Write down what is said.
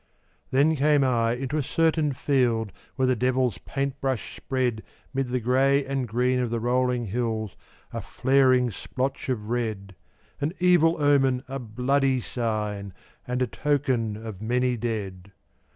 Then came I into a certain field Where the devil's paint brush spread 'Mid the gray and green of the rolling hills A flaring splotch of red, An evil omen, a bloody sign, And a token of many dead.